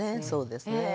そうですね。